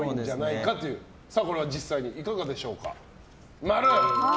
実際にいかがでしょうか。